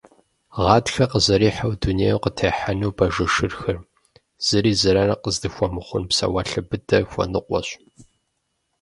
Гъатхэр къызэрихьэу дунейм къытехьэну бажэ шырхэр, зыри зэран къаздыхуэмыхъун псэуалъэ быдэ хуэныкъуэщ.